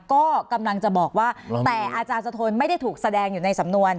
ก็กำลังจะบอกว่าแต่อาจารย์สะทนไม่ได้ถูกแสดงอยู่ในสำนวน